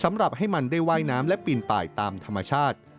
สำหรับให้มันได้ว่ายน้ำและปีนป่ายตามธรรมชาติ